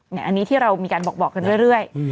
อันนี้ที่เรามีการบอกกันเรื่อย